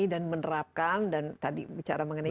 dan menerapkan dan tadi bicara mengenai